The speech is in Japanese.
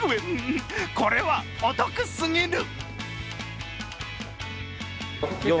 これはお得すぎる！